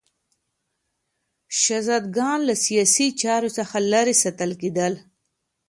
شهزادګان له سیاسي چارو څخه لیرې ساتل کېدل.